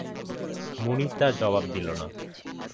মুনির তার জবাব দিল না।